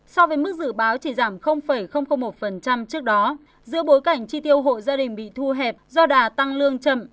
so với mức dự báo chỉ giảm một trước đó giữa bối cảnh chi tiêu hộ gia đình bị thu hẹp do đà tăng lương chậm